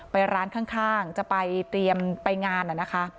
ไปร้านข้างจะไปเตรียมไปงานนะคะ